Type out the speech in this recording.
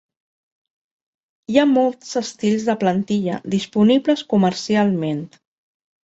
Hi ha molts estils de plantilla disponibles comercialment.